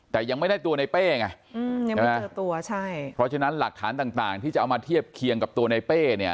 แต่ยังไม่ได้ตัวในเป้ไงยังไม่เจอตัวใช่เพราะฉะนั้นหลักฐานต่างที่จะเอามาเทียบเคียงกับตัวในเป้เนี่ย